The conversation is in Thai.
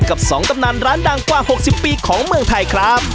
กับ๒ตำนานร้านดังกว่า๖๐ปีของเมืองไทยครับ